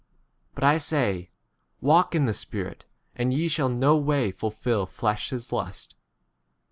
w But I say, Walk in™ [the] Spirit, and ye shall no way n fulfil !7 flesh's lust.